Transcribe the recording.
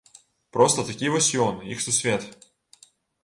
Проста такі вось ён, іх сусвет.